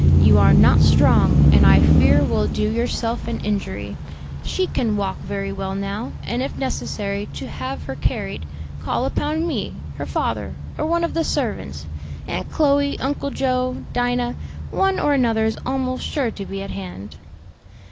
You are not strong, and I fear will do yourself an injury. She can walk very well now, and if necessary to have her carried, call upon me, her father, or one of the servants; Aunt Chloe, Uncle Joe, Dinah, one or another is almost sure to be at hand."